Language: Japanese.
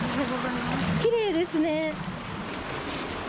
きれいですね！